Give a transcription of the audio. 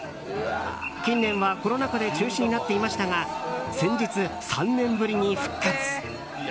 近年はコロナ禍で中止になっていましたが先日、３年ぶりに復活。